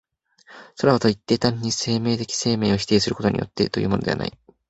さらばといって、単に生物的生命を否定することによってというのでもない。